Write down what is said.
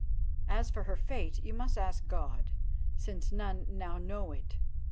As for her fate, you must ask God, since none know it.